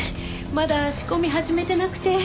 まだ仕込み始めてなくて。